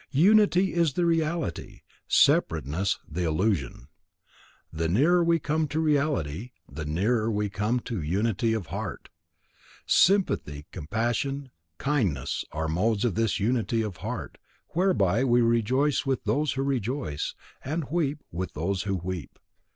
Unity is the reality; separateness the illusion. The nearer we come to reality, the nearer we come to unity of heart. Sympathy, compassion, kindness are modes of this unity of heart, whereby we rejoice with those who rejoice, and weep with those who weep.